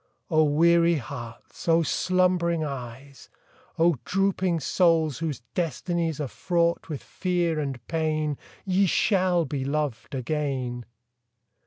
O weary hearts! O slumbering eyes! O drooping souls, whose destinies Are fraught with fear and pain, Ye shall be loved again!